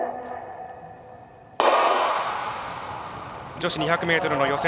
女子２００ｍの予選